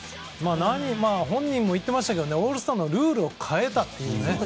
本人も言ってましたがオールスターのルールを変えたっていうね。